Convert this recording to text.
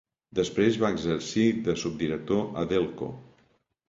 Després va exercir de subdirector a Delco.